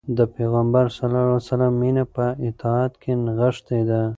د پيغمبر ﷺ مینه په اطاعت کې نغښتې ده.